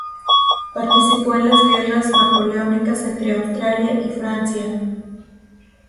Participó en las guerras napoleónicas entre Austria y Francia.